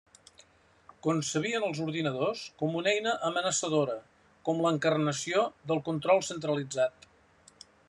Concebien els ordinadors com una eina amenaçadora, com l’encarnació del control centralitzat.